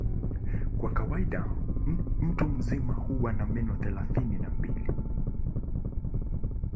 Kwa kawaida mtu mzima huwa na meno thelathini na mbili.